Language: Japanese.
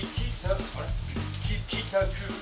「聞きたく」